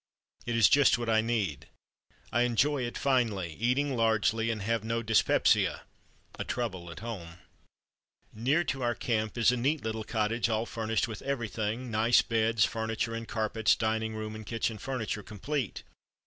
It is just what I need. I enjoy it finely, eat largely, and have no dyspepsia [a trouble at home]. "Near to our camp is a neat little cottage all furnished with everything, nice beds, furniture and carpets, dining room and kitchen furniture complete.